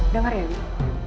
dengar ya dewi